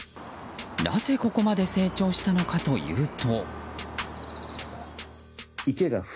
なぜここまで成長したのかというと。